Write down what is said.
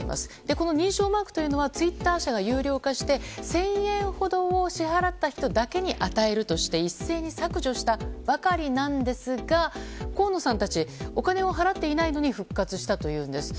この認証マークというのはツイッター社が有料化して１０００円ほどを支払った人だけに与えるとして一斉に削除したばかりなんですが河野さんたちお金を払っていないのに復活したということです。